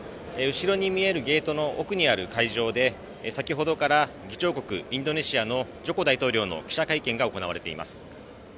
後ろに見えるゲートの奥にある会場で先ほどから議長国、インドネシアのジョコ大統領の記者会見が行われています。